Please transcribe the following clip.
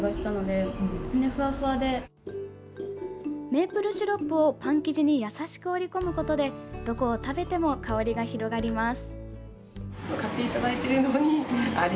メープルシロップをパン生地に優しく織り込むことでどこを食べても香りが広がります。